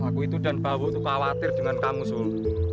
aku itu dan bawo itu khawatir dengan kamu solo